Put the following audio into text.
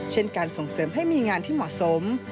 เช่นการส่งเสริมให้มีงานที่เหมาะสม